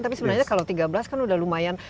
tapi sebenarnya kalau tiga belas kan udah lumayan